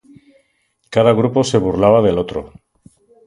Cada grupo se burlaba del otro.